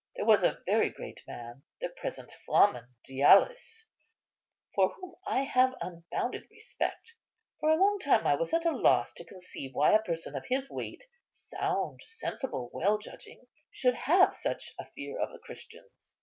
There was a very great man, the present Flamen Dialis, for whom I have unbounded respect; for a long time I was at a loss to conceive why a person of his weight, sound, sensible, well judging, should have such a fear of the Christians.